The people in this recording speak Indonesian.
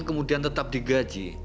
kemudian tetap digaji